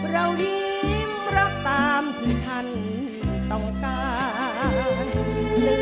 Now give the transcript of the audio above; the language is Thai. เรายิ้มรักตามที่ท่านต้องการ